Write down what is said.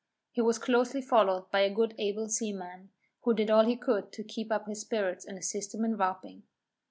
He was closely followed by a good able seaman, who did all he could to keep up his spirits and assist him in warping.